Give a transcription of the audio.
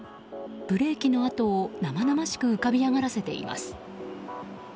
ブレーキの跡を生々しく浮かび上がらせています。